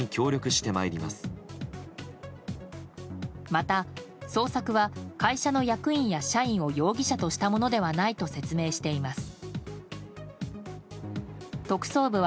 また、捜索は会社の役員や社員を容疑者としたものではないと説明しています。